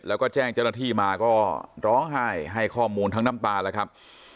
แล้วก็แจ้งเจ้าหน้าที่มาก็ร้องไห้ให้ข้อมูลทั้งน้ำตาแล้วครับ